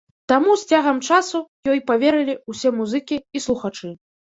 Таму з цягам часу ёй паверылі ўсе музыкі і слухачы.